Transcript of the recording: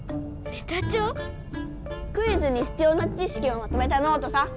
クイズにひつような知しきをまとめたノートさ。